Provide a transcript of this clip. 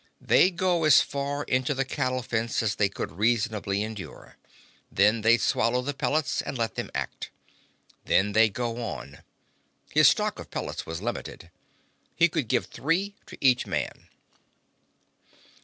They'd go as far into the cattle fence as they could reasonably endure. Then they'd swallow the pellets and let them act. Then they'd go on. His stock of pellets was limited. He could give three to each man.